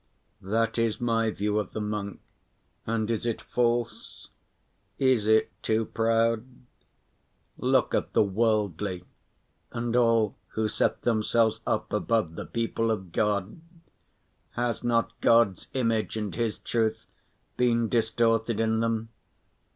That is my view of the monk, and is it false? is it too proud? Look at the worldly and all who set themselves up above the people of God, has not God's image and His truth been distorted in them?